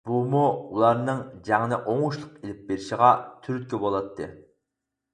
بۇمۇ ئۇلارنىڭ جەڭنى ئوڭۇشلۇق ئېلىپ بېرىشىغا تۈرتكە بولاتتى.